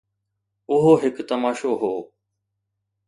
اهو هڪ تماشو هو.